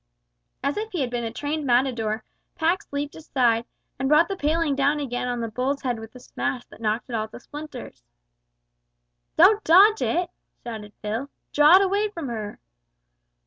As if he had been a trained matador, Pax leaped aside, and brought the paling down again on the bull's head with a smash that knocked it all to splinters. "Don't dodge it," shouted Phil, "draw it away from her!"